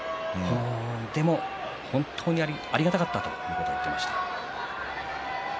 でも本当にありがたかったと言っていました。